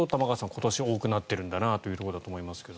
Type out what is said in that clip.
今年多くなっているんだなということだと思いますが。